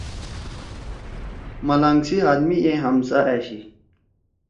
ملانگ سی ہاتھ می اے ہمسا أشی۔